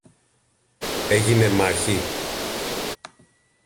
Έγινε μάχη;